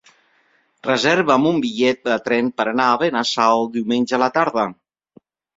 Reserva'm un bitllet de tren per anar a Benasau diumenge a la tarda.